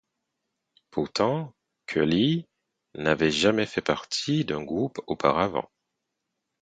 Pourtant, Cully n'avait jamais fait partie d'un groupe auparavant.